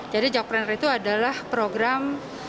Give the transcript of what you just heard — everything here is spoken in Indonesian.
jadi jack pruner itu adalah program